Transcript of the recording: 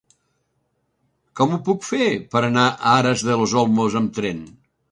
Com ho puc fer per anar a Aras de los Olmos amb tren?